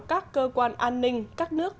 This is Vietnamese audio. các cơ quan an ninh các nước